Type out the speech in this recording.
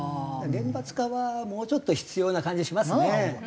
厳罰化はもうちょっと必要な感じしますね。